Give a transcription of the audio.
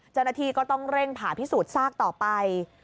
เจ้าหน้าที่ก็ต้องเร่งผ่าพิสูจน์ซากต่อไป